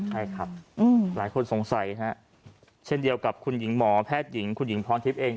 ใช่ครับหลายคนสงสัยฮะเช่นเดียวกับคุณหญิงหมอแพทย์หญิงคุณหญิงพรทิพย์เอง